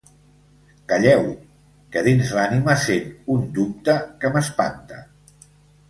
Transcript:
Calleu! Que dins l'ànima sent un dubte que m'espanta.